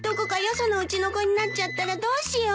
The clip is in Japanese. そのうちの子になっちゃったらどうしよう。